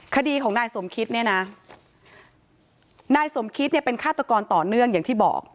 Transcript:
คดีของนายสมคิดเนี่ยนะนายสมคิดเนี่ยเป็นฆาตกรต่อเนื่องอย่างที่บอก